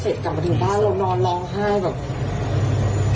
เสร็จกลับมาถึงบ้านเรานอนไหล่